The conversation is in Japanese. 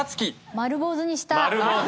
丸坊主にした。